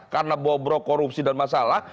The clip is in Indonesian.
karena bobro korupsi dan masalah